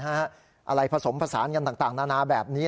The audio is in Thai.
อะไรผสมผสานกันต่างนานาแบบนี้